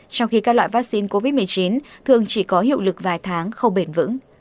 trong khi các loại vaccine covid một mươi chín thường chỉ có hiệu lực vài tháng không bền vững